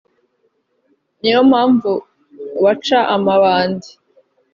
ni yo mpamvu baca amabandi